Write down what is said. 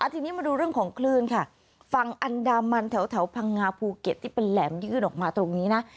ทีนี้มาดูเรื่องของคลื่นค่ะฝั่งอันดามันแถวพังงาภูเก็ตที่เป็นแหลมยื่นออกมาตรงนี้นะ